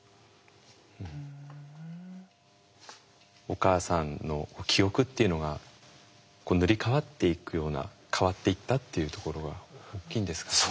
お母さんの記憶っていうのが塗り変わっていくような変わっていったっていうところは大きいんですかね。